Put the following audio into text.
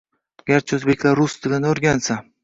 Garchi o'zbeklar rus tilini o'rgansa